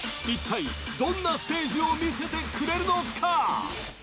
一体どんなステージを見せてくれるのか？